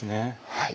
はい。